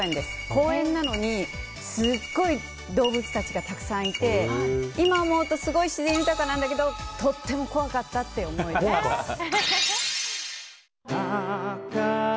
公園なのにすごい動物たちがたくさんいて今思うとすごい自然豊かなんだけどとても怖かったという思い出です。